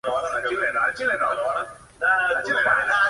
Ella expresa al Oráculo que desea que McCoy se convierta en su pareja.